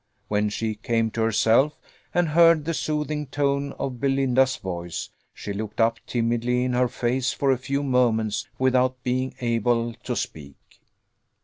When she came to herself, and heard the soothing tone of Belinda's voice, she looked up timidly in her face for a few moments without being able to speak.